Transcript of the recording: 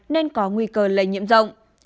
nên có nguy cơ lây nhiễm rộng